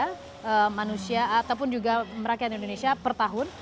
kepada manusia ataupun juga merakyat indonesia per tahun